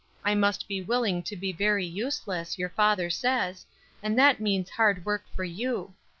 I must be willing to be very useless, your father says, and that means hard work for you.